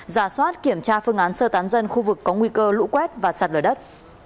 giả soát kiểm tra phương án sơ tán dân khu vực có nguy cơ lũ quét và sạt lở đất